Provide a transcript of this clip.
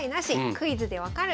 「クイズで分かる！